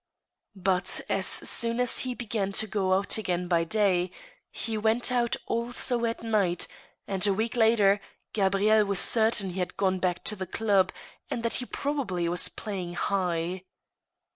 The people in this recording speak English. But, as soon as he began to go out again by day, he went out ako at night, and, a week later, Gabrielle was certain he had gone back to the club, and that he probably was playing high.